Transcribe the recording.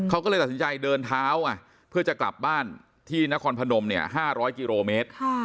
เขาก็เลยตัดสินใจเดินเท้าเพื่อจะกลับบ้านที่นครพนม๕๐๐กิโลเมตร